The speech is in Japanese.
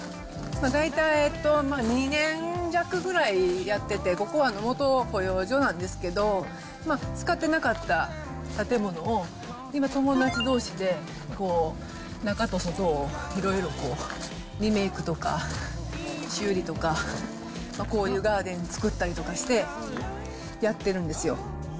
大体、２年弱ぐらいやってて、ここは元保養所なんですけど、使ってなかった建物を、今、友達どうしで、中と外をいろいろリメークとか、修理とか、こういうガーデン作ったりとかして、やってるんですよ。